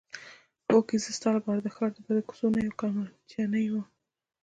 هوکې زه ستا لپاره د ښار د بدو کوڅو نه یوه کمچنۍ وم.